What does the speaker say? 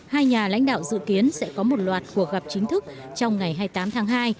hai nhà lãnh đạo dự kiến sẽ có một loạt cuộc gặp chính thức trong ngày hai mươi tám tháng hai